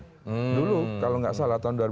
dulu kalau enggak salah tahun dua ribu tiga belas